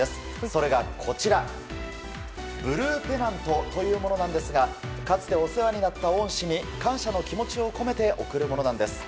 それがこちら、ブルーペナントというものなんですがかつてお世話になった恩師に感謝の気持ちを込めて贈るものなんです。